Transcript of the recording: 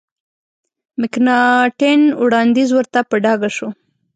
مکناټن وړاندیز ورته په ډاګه شو.